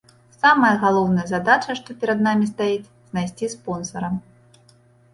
Самая галоўная задача, што перад намі стаіць, знайсці спонсара.